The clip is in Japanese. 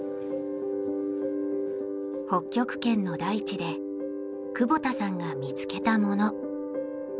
北極圏の大地で窪田さんが見つけたもの。